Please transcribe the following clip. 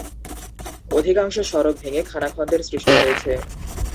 অধিকাংশ সড়ক ভেঙে খানাখন্দের সৃষ্টি হয়েছে।